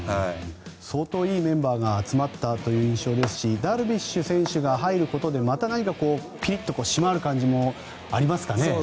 相当いいメンバーが集まったという印象ですしダルビッシュ選手が入ることでまた何かピリッと締まる感じもありますかね。